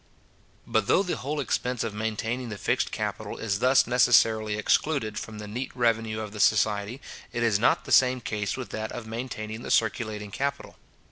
But though the whole expense of maintaining the fixed capital is thus necessarily excluded from the neat revenue of the society, it is not the same case with that of maintaining the circulating capital.